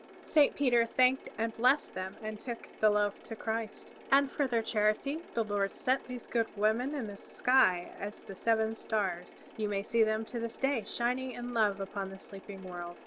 Saint Peter thanked and blessed them and took the loaf to Christ. And for their charity the Lord set these good women in the sky as the Seven Stars, you may see them to this day shining in love upon the sleeping world.